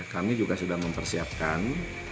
kami juga sudah mempersiapkan